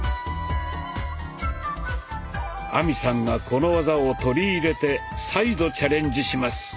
亜美さんがこの技を取り入れて再度チャレンジします。